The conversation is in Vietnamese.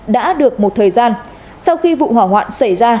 đã được một thời gian sau khi vụ hỏa hoạn xảy ra